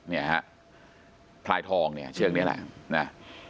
เนี่ยฮะพลายทองเนี่ยเชือกนี้แหละนะ